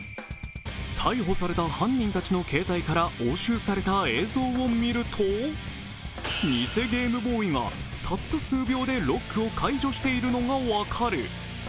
逮捕された犯人たちの携帯から押収された映像を見ると、偽ゲームボーイがたった数秒でロックを解除しているのが分かる。